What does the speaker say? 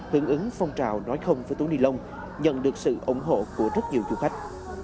hướng ứng phong trào nói không với túi ni lông nhận được sự ủng hộ của rất nhiều du khách